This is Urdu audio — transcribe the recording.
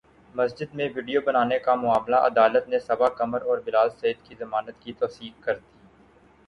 مسجد میں ویڈیو بنانے کا معاملہ عدالت نے صبا قمر اور بلال سعید کی ضمانت کی توثیق کردی